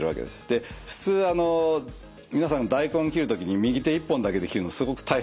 で普通あの皆さんが大根切る時に右手一本だけで切るのすごく大変ですよね。